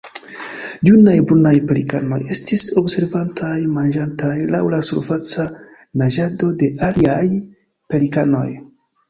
Junaj brunaj pelikanoj estis observataj manĝantaj laŭ la surfaca naĝado de aliaj pelikanoj.